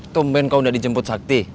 tumben kau udah dijemput sakti